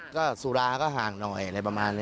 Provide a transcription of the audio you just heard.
ก็สุราก็ห่างหน่อยอะไรประมาณนี้